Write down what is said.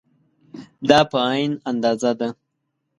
دا په عین اندازه ده.